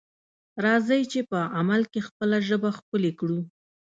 راځئ چې په عمل کې خپله ژبه ښکلې کړو.